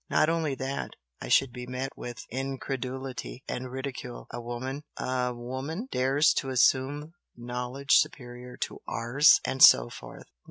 Not only that, I should be met with incredulity and ridicule 'a woman! a WOMAN dares to assume knowledge superior to ours!' and so forth.